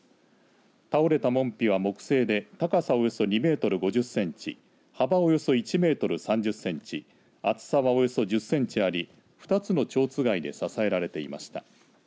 倒れた門扉は木製で高さおよそ２メートル５０センチ幅およそ１メートル３０センチ厚さはおよそ１０センチあり２つのちょうつがいで支えられていました。